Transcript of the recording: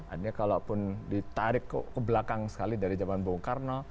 adanya kalau pun ditarik ke belakang sekali dari zaman bung karno